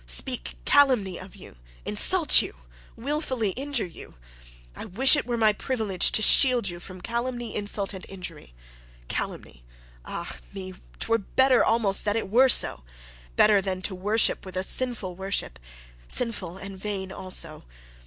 Speak calumny of you! Insult you! Wilfully injure you! I wish it were my privilege to shield you from calumny, insult, and injury. Calumny! Ah, me. 'Twere almost better that it were so. Better than to worship with a sinful worship; sinful and vain also.'